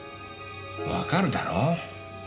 わかるだろう。